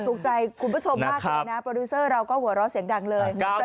ถูกใจคุณผู้ชมมากเลยนะโปรดิวเซอร์เราก็หัวเราะเสียงดังเลย